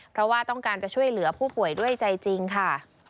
เพราะว่าต้องการจะช่วยเหลือผู้ป่วยด้วยใจจริงค่ะ